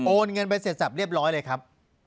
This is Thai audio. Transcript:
เงินไปเสร็จสับเรียบร้อยเลยครับ